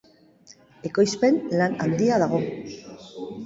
Ekoizpen lan handia dago.